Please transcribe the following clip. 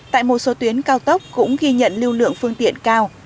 tại một số tuyến cao tốc cũng ghi nhận lưu lượng phương tiện cao